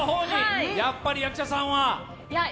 やっぱり役者さんは？